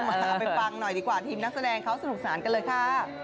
เอาไปฟังหน่อยดีกว่าทีมนักแสดงเขาสนุกสนานกันเลยค่ะ